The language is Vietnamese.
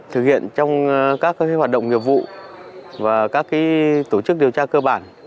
thực hiện trong các hoạt động nghiệp vụ và các tổ chức điều tra cơ bản